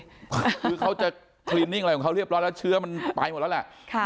คือเขาจะคลินิกอะไรของเขาเรียบร้อยแล้วเชื้อมันไปหมดแล้วแหละ